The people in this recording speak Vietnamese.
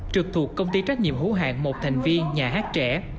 trực thuộc công ty trách nhiệm hữu hạng một thành viên nhà hát trẻ